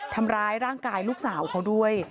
ทำร้ายร่างกายลูกสาวเขาด้วย